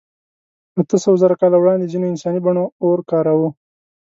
اتهسوهزره کاله وړاندې ځینو انساني بڼو اور کاراوه.